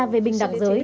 về bình đẳng giới